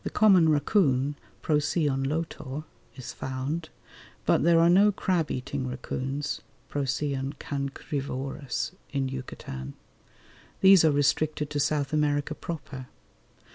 The common racoon (Procyon lotor) is found, but there are no crab eating racoons (Procyon cancrivorous) in Yucatan: these are restricted to South America proper.